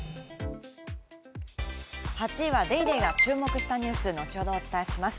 ８位は『ＤａｙＤａｙ．』が注目したニュース、後ほどお伝えします。